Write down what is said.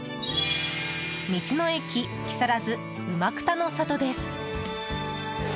道の駅木更津うまくたの里です。